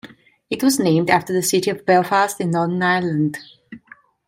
It was named after the city of Belfast in Northern Ireland.